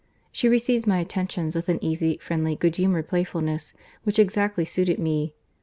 —She received my attentions with an easy, friendly, goodhumoured playfulness, which exactly suited me.